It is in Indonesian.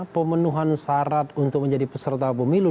pemenuhan syarat untuk menjadi peserta pemilu